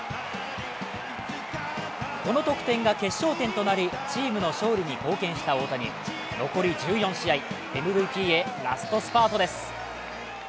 この得点が決勝点となりチームの勝利に貢献した大谷残り１４試合ＭＶＰへラストスパートです。